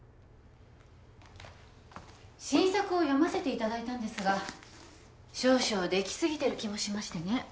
新作を読ませていただいたんですが少々出来過ぎてる気もしましてね。